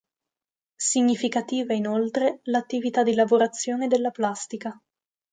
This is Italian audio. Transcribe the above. Significativa inoltre l'attività di lavorazione della plastica.